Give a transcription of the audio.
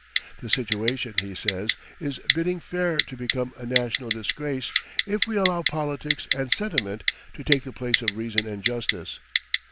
The situation, he says, "is bidding fair to become a national disgrace if we allow politics and sentiment to take the place of reason and justice."